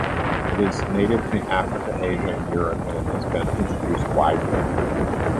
It is native to Africa, Asia, and Europe, and it has been introduced widely.